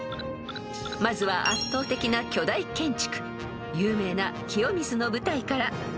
［まずは圧倒的な巨大建築有名な清水の舞台から］